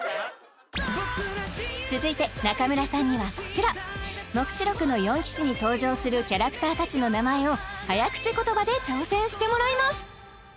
続いて中村さんにはこちら「黙示録の四騎士」に登場するキャラクター達の名前を早口言葉で挑戦してもらいます